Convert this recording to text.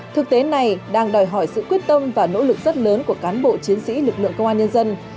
thực tế này đang đòi hỏi sự quyết tâm và nỗ lực rất lớn của cán bộ chiến sĩ lực lượng công an nhân dân